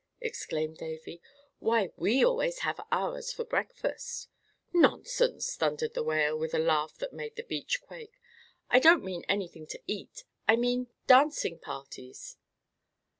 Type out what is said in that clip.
exclaimed Davy. "Why, we always have ours for breakfast." "Nonsense!" thundered the Whale, with a laugh that made the beach quake; "I don't mean anything to eat. I mean dancing parties."